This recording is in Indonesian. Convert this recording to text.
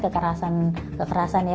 kekerasan kekerasan ya